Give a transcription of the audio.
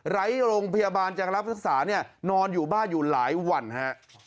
ไร้โรงพยาบาลจะรับรักษาเนี่ยนอนอยู่บ้านอยู่หลายวันฮะ